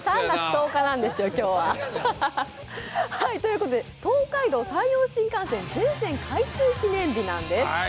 ３月１０日なんですよ、今日は、ハハハ。ということで東海道・山陽新幹線全線開通記念日なんです。